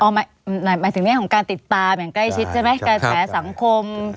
อ๋อหมายถึงเนี่ยของการติดตามอย่างใกล้ชิดใช่ไหมแก่แสงสังคมข่าวต่างใช่ไหม